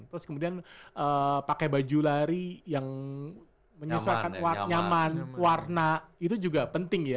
terus kemudian pakai baju lari yang menyesuaikan nyaman warna itu juga penting ya